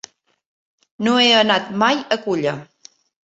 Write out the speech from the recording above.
No he anat mai a Culla.